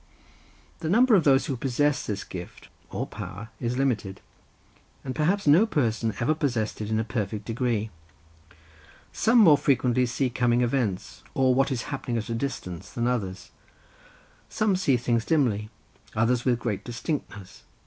The number of those who possess this gift or power is limited, and perhaps no person ever possessed it in a perfect degree: some more frequently see coming events, or what is happening at a distance, than others; some see things dimly, others with great distinctness.